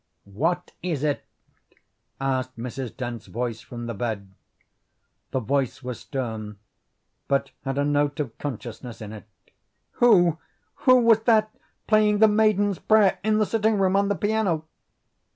"What is it?" asked Mrs. Dent's voice from the bed. The voice was stern, but had a note of consciousness in it. "Who who was that playing 'The Maiden's Prayer' in the sitting room, on the piano?"